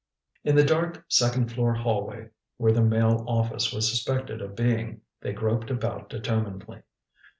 In the dark second floor hallway where the Mail office was suspected of being, they groped about determinedly.